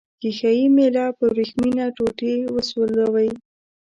ښيښه یي میله په وریښمینه ټوټې وسولوئ.